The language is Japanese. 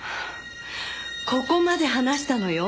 ここまで話したのよ。